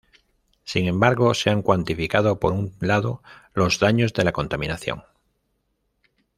Sin embargo se han cuantificado, por un lado, los daños de la contaminación.